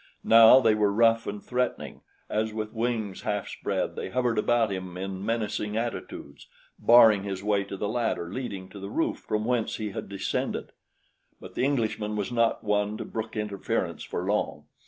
Now they were rough and threatening, as with wings half spread they hovered about him in menacing attitudes, barring his way to the ladder leading to the roof from whence he had descended; but the Englishman was not one to brook interference for long.